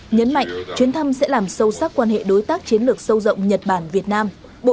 nhấn mạnh chuyến thăm sẽ làm sâu sắc quan hệ đối tác chiến lược sâu rộng nhật bản việt nam